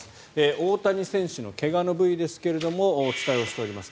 大谷選手の怪我の部位ですがお伝えをしております